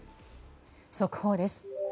速報です。